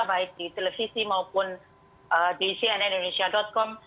baik di televisi maupun di cnn indonesia com